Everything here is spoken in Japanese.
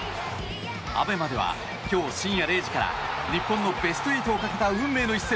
ＡＢＥＭＡでは今日深夜０時から日本のベスト８をかけた運命の一戦